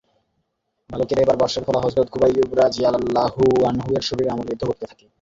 বালকেরা এবার বর্শার ফলা হযরত খুবাইব রাযিয়াল্লাহু আনহু-এর শরীরে আমূল বিদ্ধ করতে থাকে।